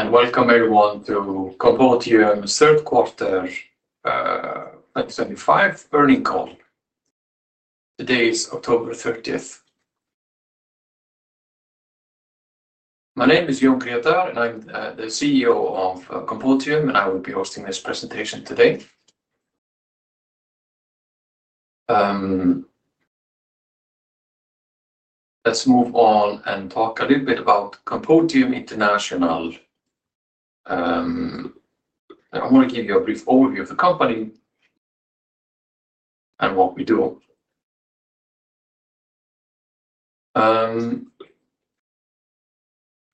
Hi and welcome everyone to Compodium. third quarter 2025 earnings call. Today is October 30th. My name is Jón Grétar and I'm the CEO of Compodium. I will be hosting this presentation today. Let's move on and talk a little bit about Compodium International. I want to give you a brief overview of the company and what we do.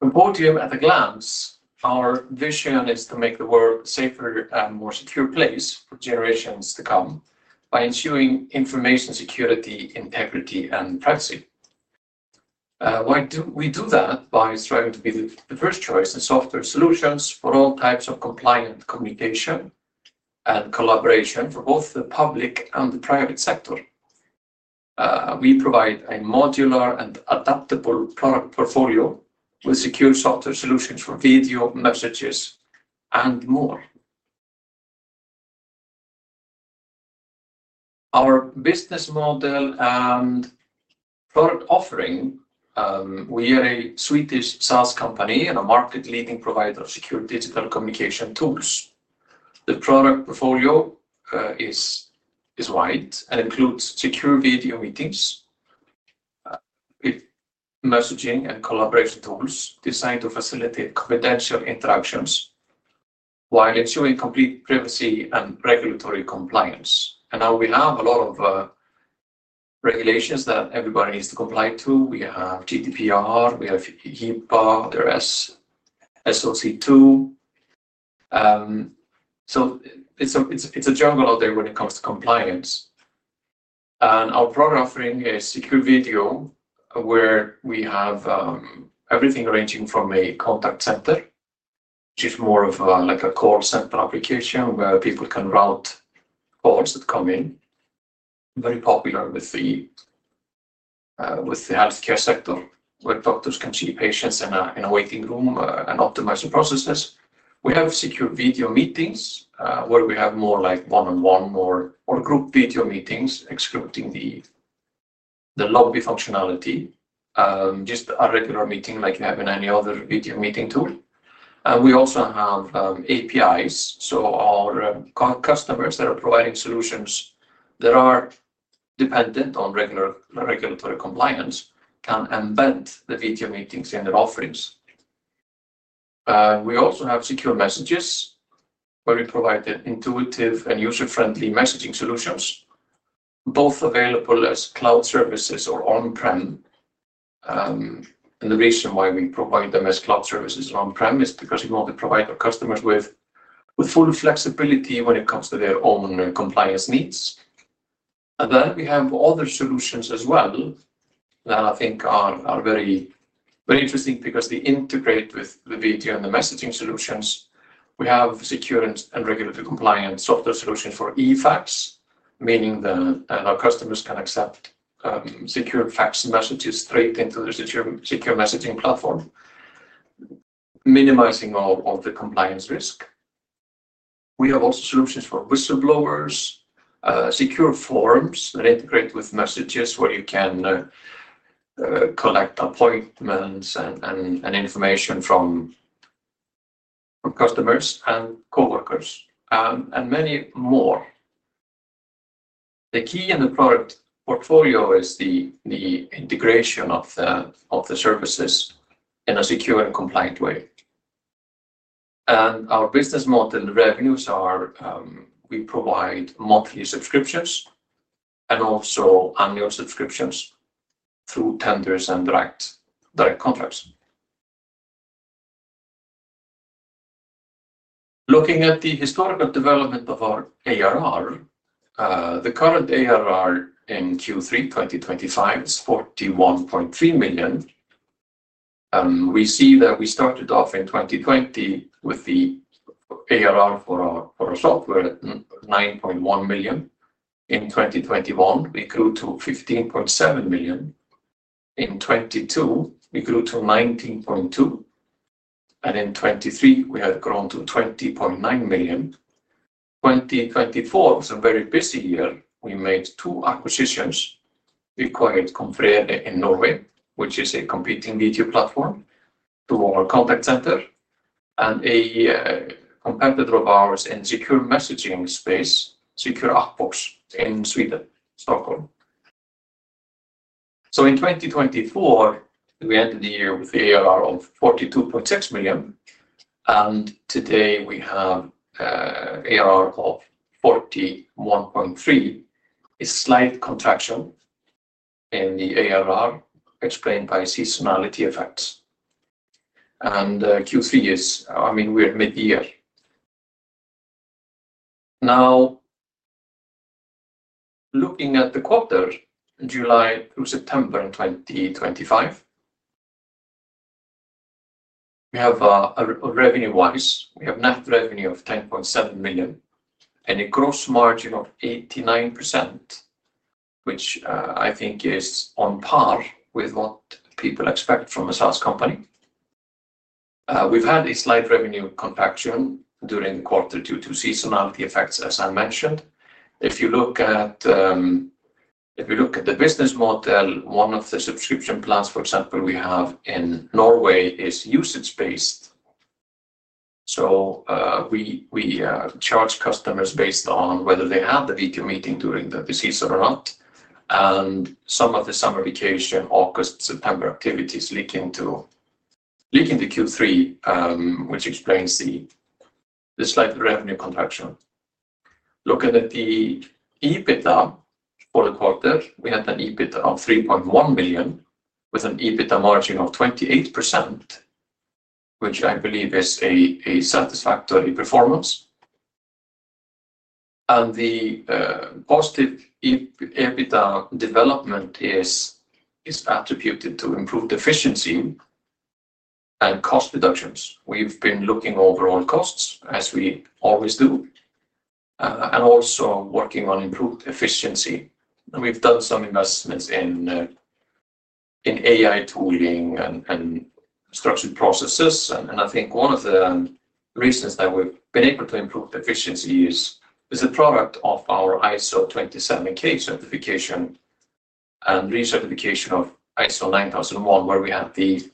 Compodium at a Glance. Our vision is to make the world a safer and more secure place for generations to come by ensuring information security, integrity, and privacy. We do that by striving to be the first choice in software solutions for all types of compliant communication and collaboration for both the public and the private sector. We provide a modular and adaptable product portfolio with secure software solutions for video messages, and more. Our business model and product offering. We are a Swedish SaaS company and a market leading provider of secure digital communication tools. The product portfolio is wide and includes secure video meetings with messaging and collaboration tools designed to facilitate confidential interactions while ensuring complete privacy and regulatory compliance. We now have a lot of regulations that everybody needs to comply to. We have GDPR, we have HIPAA, there is SOC 2, so it's a jungle out there when it comes to compliance. Our product offering is secure video where we have everything ranging from a contact center, which is more of like a call center application where people can route calls that come in, very popular with the healthcare sector where doctors can see patients in a waiting room and optimize the processes. We have secure video meetings where we have more like one on one or group video meetings exploiting the lobby functionality, just a regular meeting like you have in any other video meeting tool. We also have APIs so our customers that are providing solutions that are dependent on regulatory compliance can embed the video meetings in their offerings. We also have secure messages where we provide intuitive and user friendly messaging solutions, both available as cloud services or on prem. The reason why we provide them as cloud services or on prem is because we want to provide our customers with full flexibility when it comes to their own compliance needs. We have other solutions as well that I think are very interesting because they integrate with the video and the messaging solutions. We have secure and regulatory compliant software solutions for eFax, meaning that our customers can accept secure fax messages straight into the secure messaging platform, minimizing all of the compliance risk. We have also solutions for whistleblowers, secure forms that integrate with messages where you can collect appointments and information from customers and coworkers and many more. The key in the product portfolio is the integration of the services in a secure and compliant way. Our business model revenues are we provide monthly subscriptions and also annual subscriptions through tenders and direct contracts. Looking at the historical development of our ARR, the current ARR in Q3 2025 is 41.3 million and we see that we started off in 2020 with the ARR for our software at 9.1 million. In 2021 we grew to 15.7 million, in 2022 we grew to 19.2 million, and in 2023 we have grown to 20.9 million. 2024 was a very busy year. We made two acquisitions, acquired Confrera in Norway, which is a competing digital communication platform to our contact center and a competitor of ours in the secure messaging space, and Secure Outbox in Sweden, Stockholm. In 2024 we ended the year with the ARR of 42.6 million and today we have ARR of 41.3 million. It's a slight contraction in the ARR explained by seasonality effects and Q3 is, I mean we're mid year now. Looking at the quarter July through September 2025, revenue wise we have net revenue of 10.7 million and a gross margin of 89% which I think is on par with what people expect from a SaaS company. We've had a slight revenue contraction during the quarter due to seasonality effects. If you look at the business model, one of the subscription plans for example we have in Norway is usage based. We charge customers based on whether they have the video meeting during the disease or not. Some of the summer vacation, August, September activities leaking to Q3 which explains the slight revenue contraction. Looking at the EBITDA for the quarter we had an EBITDA of 3.1 million with an EBITDA margin of 28% which I believe is a satisfactory performance. The positive EBITDA development is attributed to improved efficiency and cost reductions. We've been looking at overall costs as we always do and also working on improved efficiency. We've done some investments in AI tooling and structured processes. I think one of the reasons that we've been able to improve efficiencies is a product of our ISO 27001 certification and recertification of ISO 9001, where we have the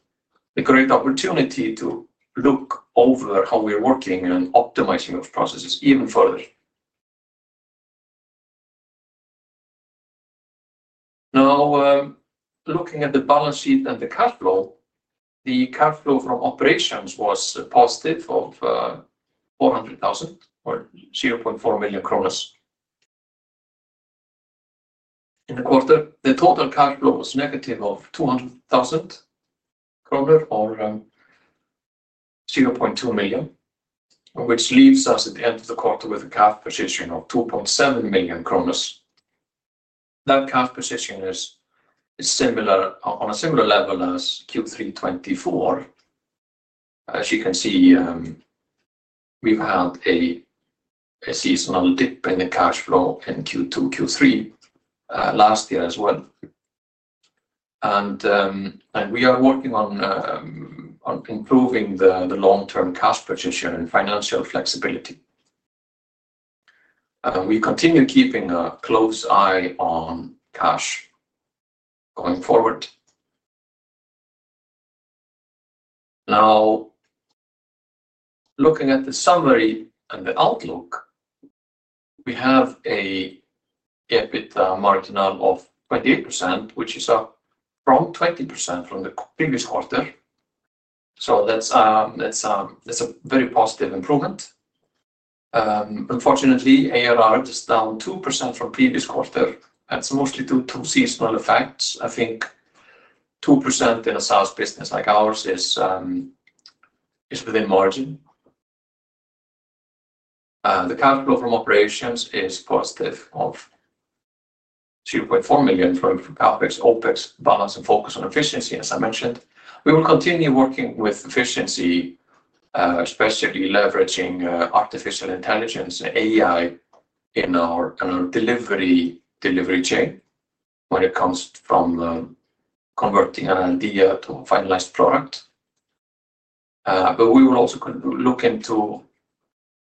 correct opportunity to look over how we're working and optimizing those processes even further. Now, looking at the balance sheet and the cash flow, the cash flow from operations was positive at 400,000 or 0.4 million kronor in the quarter. The total cash flow was -200,000 kronor or 0.2 million, which leaves us at the end of the quarter with a cash position of 2.7 million kronor. The cash position is on a similar level as Q3 2024. As you can see, we've had a seasonal dip in the cash flow in Q2 and Q3 last year as well. We are working on improving the long-term cash position and financial flexibility, and we continue keeping a close eye on cash going forward. Now, looking at the summary and the outlook, we have an EBITDA margin of 28%, which is up around 20% from the previous quarter. That's a very positive improvement. Unfortunately, ARR is down 2% from the previous quarter. That's mostly due to seasonal effects. I think 2% in a SaaS business like ours is within margin. The cash flow from operations is positive, performing in terms of CapEx, OpEx, balance, and focus on efficiency. As I mentioned, we will continue working with efficiency, especially leveraging artificial intelligence and AI in our delivery chain when it comes from converting an idea to a finalized product. We will also look into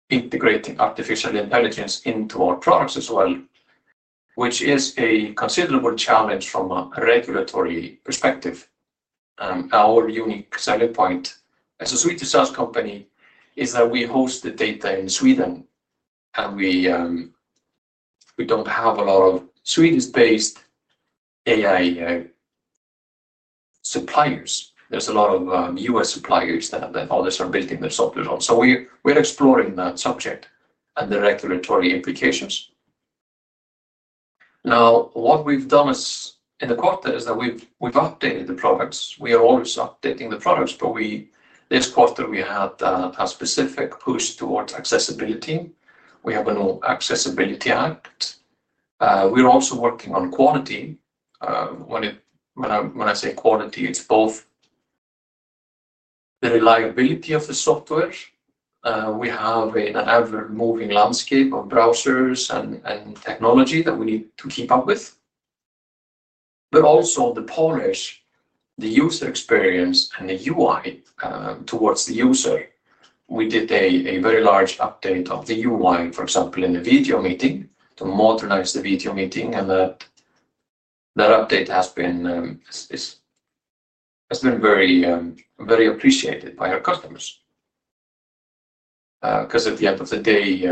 integrating artificial intelligence into our products as well, which is a considerable challenge from a regulatory perspective. Our unique selling point as a Swedish SaaS company is that we host the data in Sweden, and we don't have a lot of Swedish-based AI suppliers. There are a lot of U.S. suppliers that others are building their software on, so we're exploring that subject and the regulatory applications. What we've done in the quarter is that we've updated the products. We are always updating the products, but this quarter we had a specific push towards accessibility. We have a new Accessibility Act. We're also working on quality. When I say quality, it's both the reliability of the software—we have an ever-moving landscape of browsers and technology that we need to keep up with—but also the polish, the user experience, and the UI towards the user. We did a very large update of the UI, for example in the video meeting, to modernize the video meeting, and that update has been very, very appreciated by our customers because at the end of the day,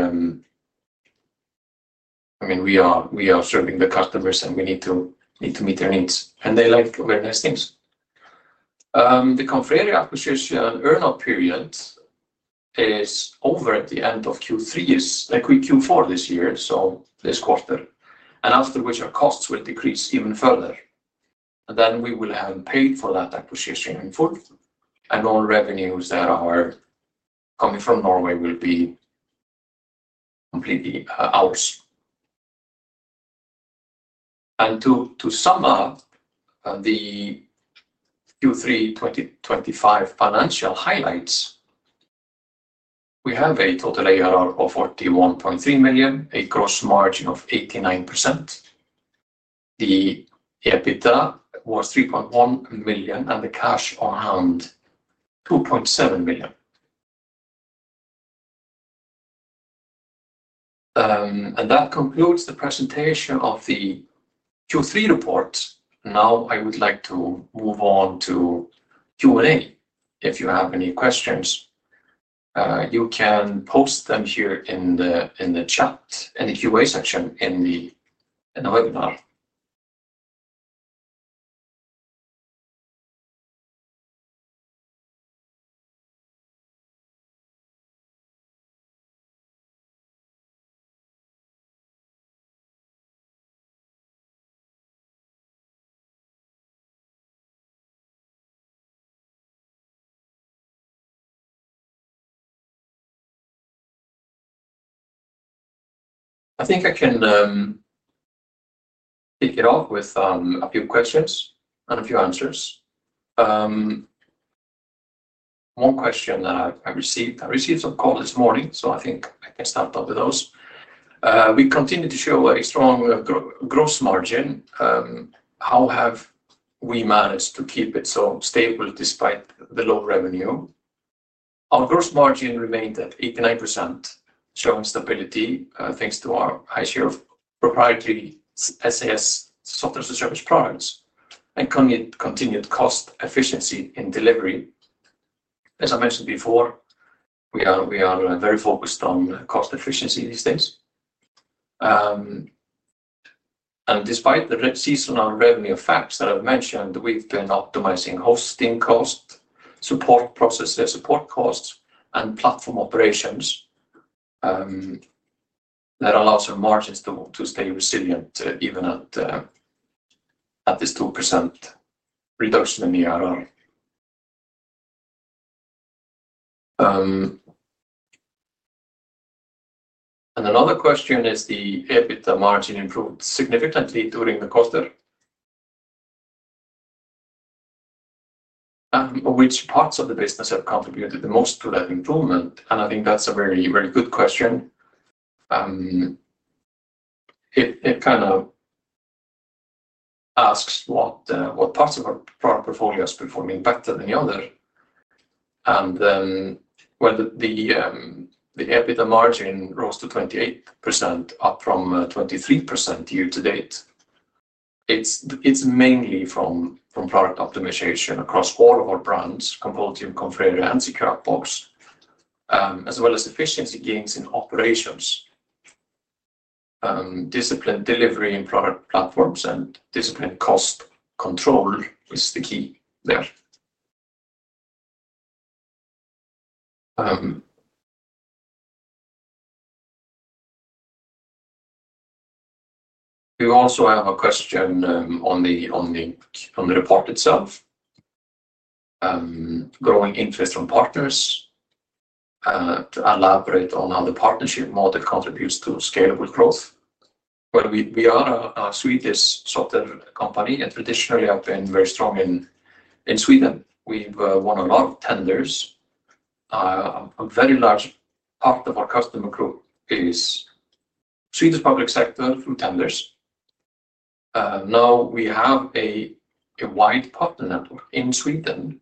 I mean we are serving the customers and we need to meet their needs and they like nice things. The Confrera acquisition earn-out period is over at the end of Q3, it's like Q4 this year, so this quarter, after which our costs will decrease even further. We will have paid for that acquisition in full and all revenues that are coming from Norway will be completely ours. To sum up the Q3 2025 financial highlights, we have a total ARR of 41.3 million, a gross margin of 89%. The EBITDA was 3.1 million and the cash on hand 2.7 million. That concludes the presentation of the Q3 report. Now I would like to move on to Q&A. If you have any questions, you can post them here in the chat in the Q&A section in the webinar. I think I can kick it off with a few questions and a few answers. One question that I received, I received some calls this morning, so I think I can start up with those. We continue to show a strong gross margin. How have we managed to keep it so stable? Despite the low revenue, our gross margin remained at 89% showing stability thanks to our high share of proprietary SaaS software subs, continued cost efficiency in delivery. As I mentioned before, we are very focused on cost efficiency, these things. Despite the seasonal revenue fabs that I've mentioned, we've been optimizing hosting cost, support processes, support costs, and platform operations. That allows for margins to stay resilient even at this 2% reduction in ARR. Another question is, the EBITDA margin improved significantly during the quarter and which parts of the business have contributed the most to that improvement? I think that's a very, very good question. It kind of asks what parts of our portfolio is performing better than the other, and the EBITDA margin rose to 28%, up from 23% year to date. It's mainly from product optimization across all of our brands, Compodium, Confrera, and Secure Outbox, as well as efficiency gains in operations. Disciplined delivery in product platforms and disciplined cost control is the key there. We also have a question on the report itself: growing interest from partners to elaborate on how the partnership model contributes to scalable growth. We are a Swedish software company and traditionally have been very strong in Sweden. We've won a lot of tenders. A very large part of our customer group is Swedish public sector through tenders. Now we have a wide partner network in Sweden.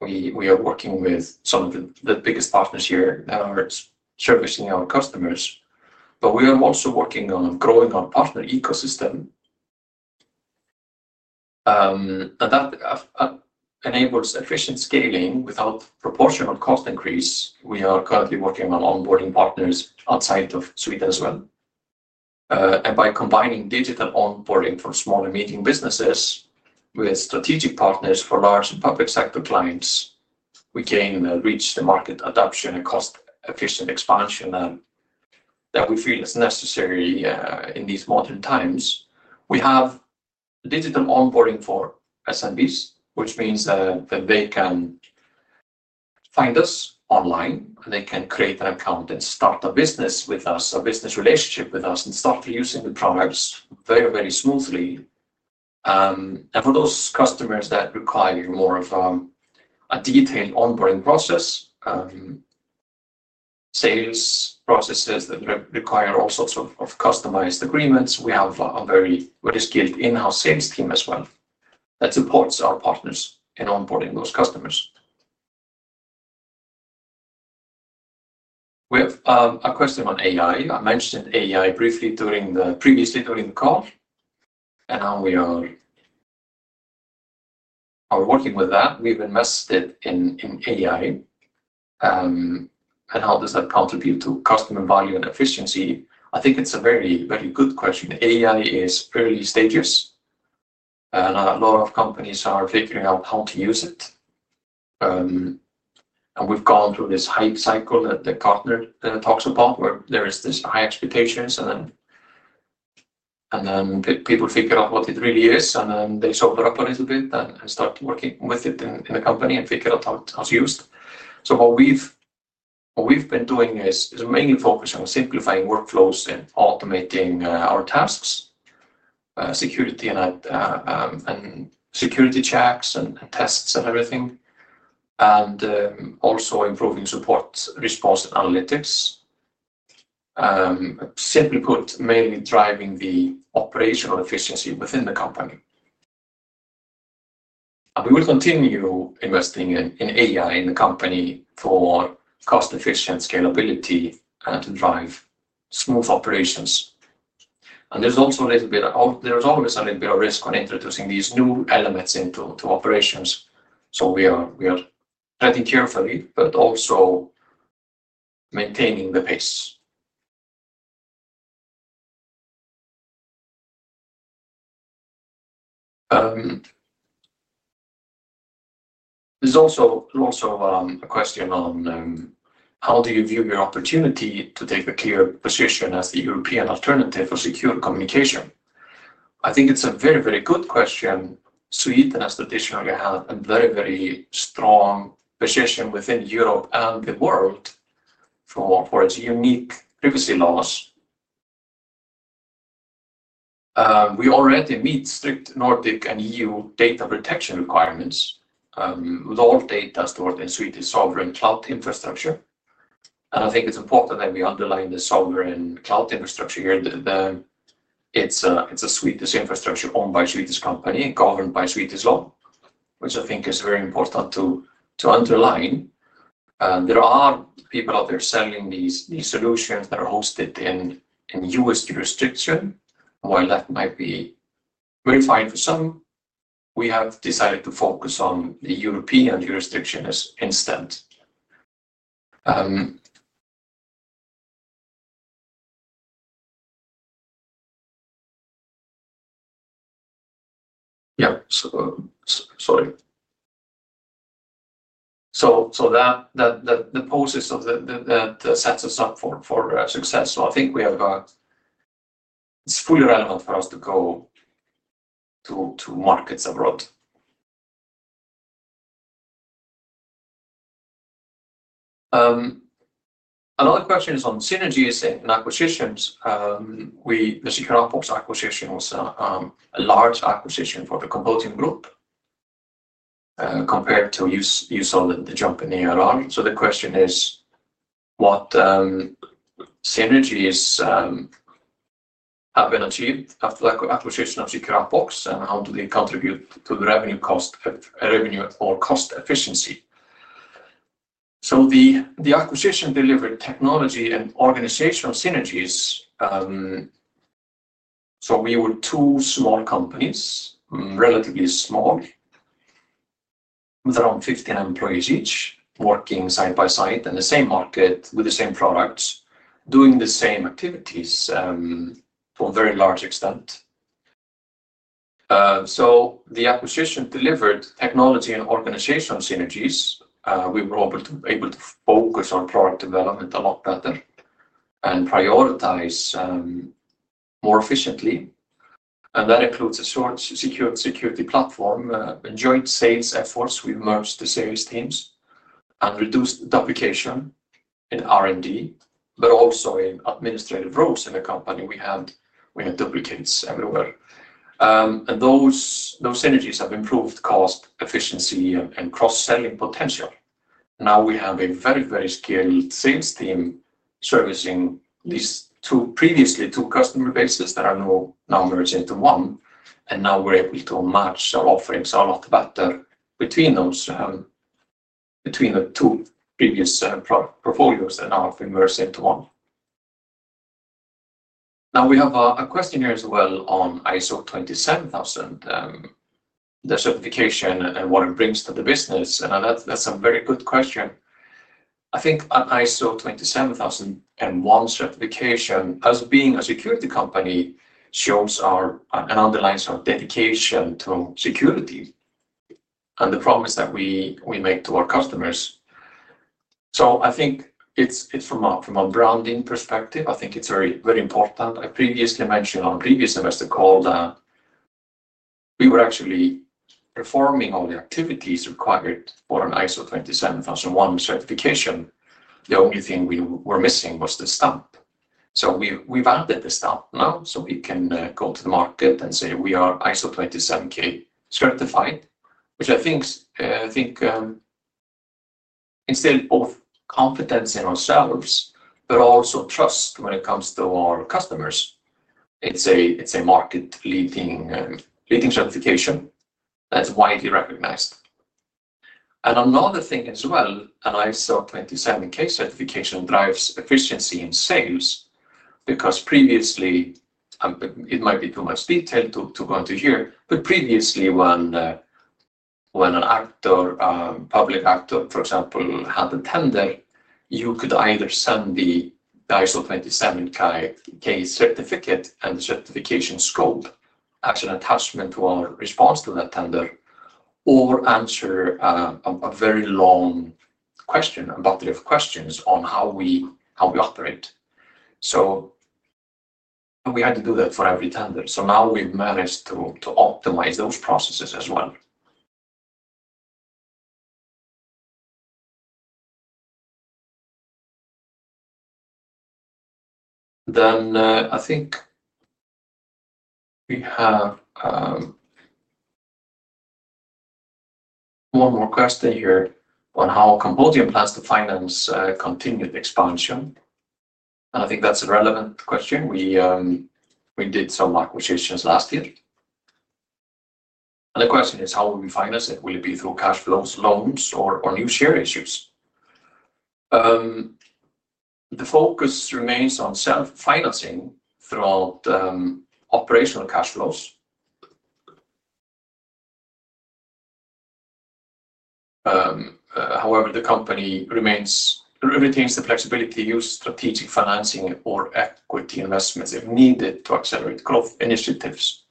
We are working with some of the biggest partners here that are servicing our customers. We are also working on growing our partner ecosystem, which enables efficient scaling without proportional cost increase. We are currently working on onboarding partners outside of Sweden as well. By combining digital onboarding for small and medium businesses with strategic partners for large public sector clients, we gain and reach the market adoption and cost-efficient expansion that we feel is necessary in these modern times. We have digital onboarding for SMBs, which means that they can find us online, they can create an account and start a business with us, a business relationship with us, and start using the products very, very smoothly. For those customers that require more of a detailed onboarding process, sales processes that require all sorts of customized agreements, we have a very skilled in-house sales team as well that supports our partners in onboarding those customers. We have a question about AI. I mentioned AI briefly during the previous call and now we are working with that. We've invested into AI and how does that contribute to customer value and efficiency? I think it's a very, very good question. AI is early stages and a lot of companies are figuring out how to use it. We've gone through this hype cycle that the partner talks about where there is this high expectations and then people figure out what it really is and then sober up a little bit and start working with it in the company and figure out how it's used. What we've been doing is mainly focused on simplifying workflows, automating our tasks, security and security checks and tests and everything, and also improving support response, analytics. Simply put, mainly driving the operational efficiency within the company. We will continue investing in AI in the company for cost-efficient scalability to drive smooth operations. There is also a little bit, there's always a little bit of risk on introducing these new elements into operations. We are acting carefully but also maintaining the pace. There are also lots of questions on how do you view your opportunity to take a clear position as the European alternative of secure communication. I think it's a very, very good question. Sweden and Compodium have a very, very strong position within Europe and the world, for we already meet strict Nordic and EU data protection requirements with all data stored in Swedish sovereign cloud infrastructure. I think it's important that we underline the sovereign cloud infrastructure here. It's a Swedish infrastructure owned by a Swedish company governed by Swedish law, which I think is very important to underline. There are people out there selling these solutions that are hosted in U.S. jurisdiction. While that might be verified for some, we have decided to focus on the European jurisdiction as instant. The process of that sets us up for success. I think we have got it's fully relevant for us to go to markets abroad. Another question is on synergies and acquisitions. The Secure Outbox acquisition was a large acquisition for the Compodium group compared to the jump in ARR. The question is what synergies have been achieved after the acquisition of Secure Outbox and how do they contribute to the revenue or cost efficiency? The acquisition delivered technology and organizational synergies. We were two small companies, relatively small, with around 15 employees each working side by side in the same market with the same products, doing the same activities to a very large extent. The acquisition delivered technology and organizational synergies. We were able to focus on product development a lot better and prioritize more efficiently, and that includes a secure security platform. Joint sales efforts, we merged the sales teams and reduced duplication in R&D but also in administrative roles in the company. We had duplicates everywhere. Those synergies have improved cost efficiency and cross-selling potential. Now we have a very, very skilled sales team servicing these two previously two customer bases that are now merged into one. Now we're able to match our offerings a lot better between those, between the two previous portfolios that now have been merged into one. Now we have a question as well on ISO 27001 certification and what it brings to the business. That's a very good question. I think ISO 27001 certification as being a security company shows our underlying dedication to security and the promise that we make to our customers. From a branding perspective, I think it's very, very important. I previously mentioned on previous semester call we were actually performing on the activities required for an ISO 27001 certification. The only thing we were missing was the stamp. We've added the stamp now so we can go to the market and say we are ISO 27001 certified, which I think instills confidence in ourselves, but also trust when it comes to our customers. It's a market-leading certification that's widely recognized. Another thing as well, an ISO 27001 certification drives efficiency in sales because previously it might be too much detail to go into here, but previously when an actor, public actor for example, had a tender, you could either send the ISO 27001 certificate and certification scope as an attachment to our response to that tender or answer a very long question, a bucket of questions on how we operate. We had to do that for every tender. Now we managed to optimize those processes as well. I think we have one more question here on how Compodium plans to finance continued expansion. I think that's a relevant question. We did some acquisitions last year. The question is how will we finance it? Will it be through cash flows, loans, or new share issues? The focus remains on self-financing through operational cash flows. However, the company retains the flexibility to use strategic financing or equity investments if needed to accelerate growth initiatives.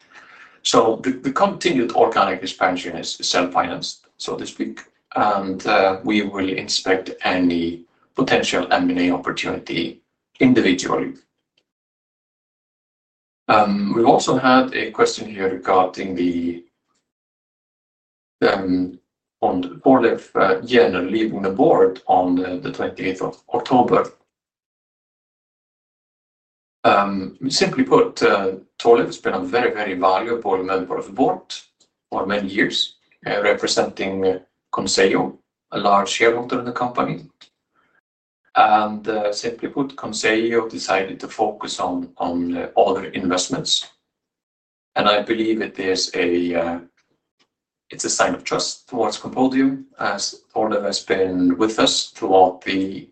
The continued organic expansion is self-financed so to speak, and we will inspect any potential M&A opportunity individually. We've also had a question here regarding the Ford FJN leaving the board on 28 October. Simply put, Tolle has been a very, very valuable member of the board for many years representing Conseil, a large shareholder in the company, and simply put, Conseil decided to focus on other investments. I believe it is a sign of trust towards Compodium as Tolle has been with us throughout the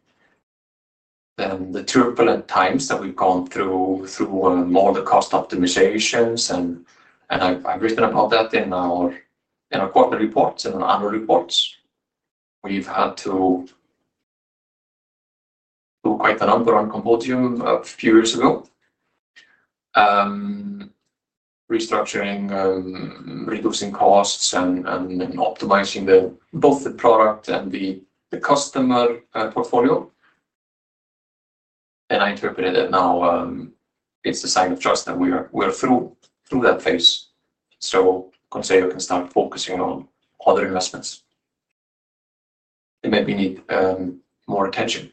challenging times that we've gone through, more the cost optimizations, and I've written about that in our quarter reports and annual reports. We've had to do quite a number on Compodium a few years ago, restructuring, reducing costs, and optimizing both the product and the customer portfolio. I interpret that now it's a sign of trust that we are through that phase so Conseil can start focusing on other investments that maybe need more attention.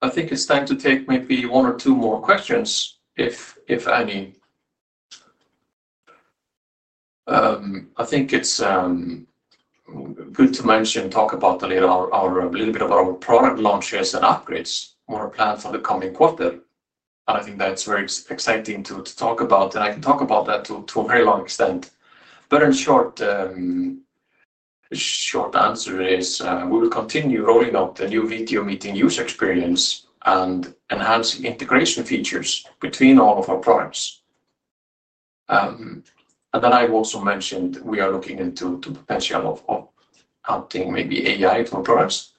I think it's time to take maybe one or two more questions if any. I think it's good to mention, talk a little bit about our product launches and upgrades or plan for the coming quarter, and I think that's very exciting to talk about. I can talk about that to a very long extent. In short, the answer is we will continue rolling out the new video meeting user experience and enhancing integration features between all of our products. I've also mentioned we are looking into the potential of adding maybe AI to our products.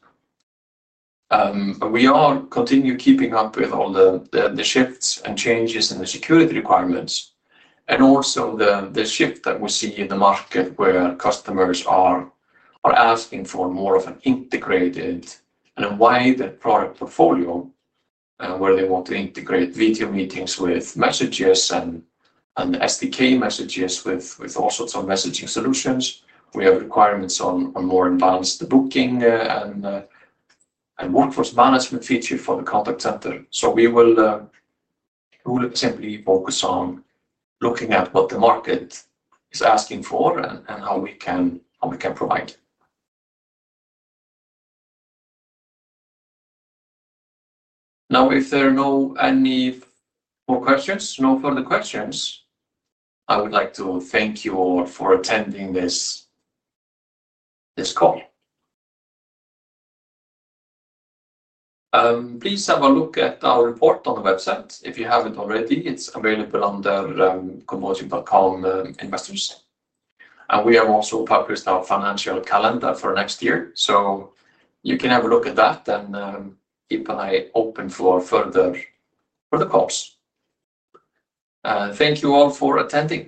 We are continuing keeping up with all the shifts and changes in the security requirements and also the shift that we see in the market where customers are asking for more of an integrated and wide product portfolio where they want to integrate video meetings with messages and SDK messages with all sorts of messaging solutions. We have requirements on more advanced booking and workforce management feature for the contact center. We will simply focus on looking at what the market is asking for and how we can provide. Now, if there are no any more questions, no further questions. I would like to thank you all for attending this call. Please have a look at our report on the website if you haven't already. It's available under compodium.com investors, and we have also published our financial calendar for next year so you can have a look at that and keep an eye open for further protocols. Thank you all for attending.